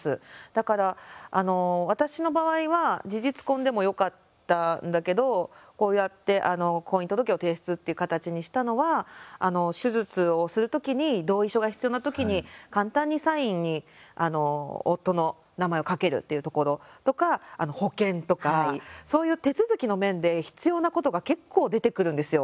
だから、私の場合は事実婚でもよかったんだけどこうやって婚姻届を提出っていう形にしたのは手術をする時に同意書が必要な時に簡単にサインに夫の名前を書けるっていうところとか、保険とかそういう手続きの面で必要なことが結構出てくるんですよ。